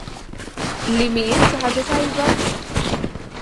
Li mhijiex ħaġa tajba?